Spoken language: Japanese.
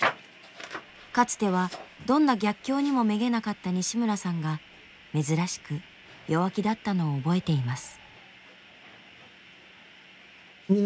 かつてはどんな逆境にもめげなかった西村さんが珍しく弱気だったのを覚えています。